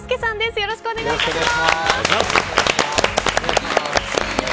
よろしくお願いします。